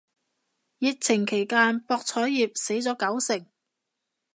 疫情期間博彩業死咗九成